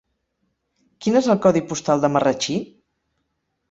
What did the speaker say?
Quin és el codi postal de Marratxí?